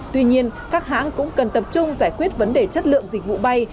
tuy nhiên các hãng cũng cần tập trung giải quyết vấn đề chất lượng dịch vụ bay